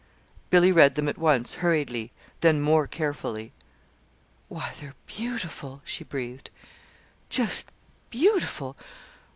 Billy read them at once, hurriedly, then more carefully. "Why, they're beautiful," she breathed, "just beautiful!